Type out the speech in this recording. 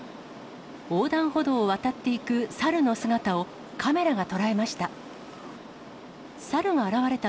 横断歩道を渡っていく猿の姿をカメラが捉えました。